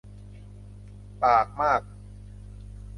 ปากมาก